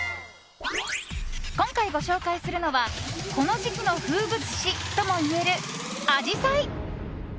今回ご紹介するのはこの時期の風物詩ともいえるアジサイ。